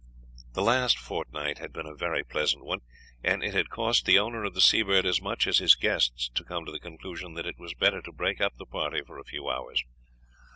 The last fortnight had been a very pleasant one, and it had cost the owner of the Seabird as much as his guests to come to the conclusion that it was better to break up the party for a few hours.